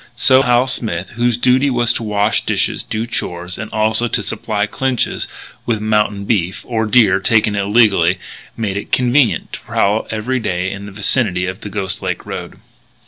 So Hal Smith, whose duty was to wash dishes, do chores, and also to supply Clinch's with "mountain beef" or deer taken illegally made it convenient to prowl every day in the vicinity of the Ghost Lake road.